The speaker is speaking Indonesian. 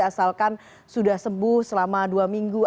asalkan sudah sembuh selama beberapa tahun